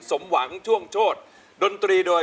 สมหวังช่วงโชธดนตรีโดย